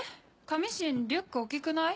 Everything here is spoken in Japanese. カミシンリュック大きくない？